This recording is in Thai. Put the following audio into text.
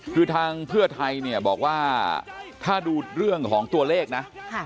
คือทางเพื่อไทยเนี่ยบอกว่าถ้าดูเรื่องของตัวเลขนะ